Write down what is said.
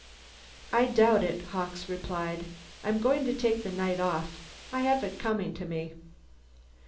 "I doubt it," Hawkes replied. "I'm going to take the night off. I have it coming to me."